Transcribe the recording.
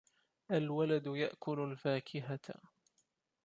الْوَلَدُ يَأْكُلُ الْفَاكِهَةَ.